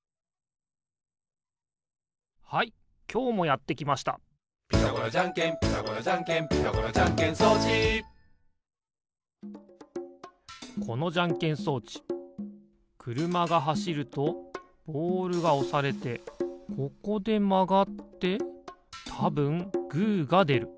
はいきょうもやってきました「ピタゴラじゃんけんピタゴラじゃんけん」「ピタゴラじゃんけん装置」このじゃんけん装置くるまがはしるとボールがおされてここでまがってたぶんグーがでる。